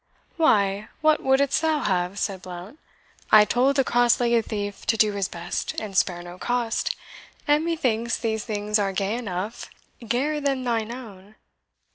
"Why, what wouldst thou have?" said Blount. "I told the cross legged thief to do his best, and spare no cost; and methinks these things are gay enough gayer than thine own.